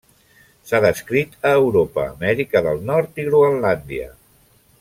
S'ha descrit a Europa, Amèrica del Nord i Groenlàndia.